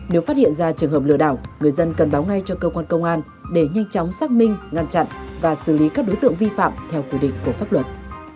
nếu phát hiện ra trường hợp lừa đảo người dân cần báo ngay cho cơ quan công an để nhanh chóng xác minh ngăn chặn và xử lý các đối tượng vi phạm theo quy định của pháp luật